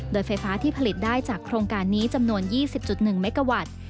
โดยไฟฟ้าที่ผลิตได้จากโครงการนี้จำนวน๒๐๑เมกาวัตต์